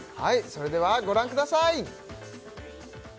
それではご覧ください